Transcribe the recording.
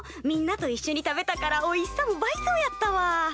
みんなといっしょに食べたからおいしさも倍増やったわ。